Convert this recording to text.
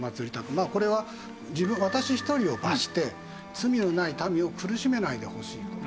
まあこれは私一人を罰して罪のない民を苦しめないでほしいと。